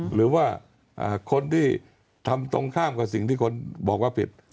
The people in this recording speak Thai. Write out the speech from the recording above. หรือว่าคนที่ทำตรงข้ามกับสิ่งที่คนบอกว่าผิด